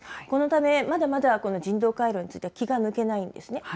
このため、まだまだこの人道回廊について気が抜けないんですね。